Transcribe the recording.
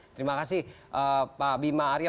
terima kasih pak bima arya